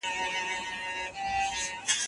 ناخوښ کارونه موږ ته خوښي نه راوړي.